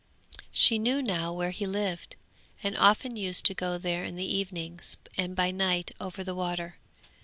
She knew now where he lived, and often used to go there in the evenings and by night over the water.